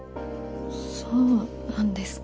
そうなんですか。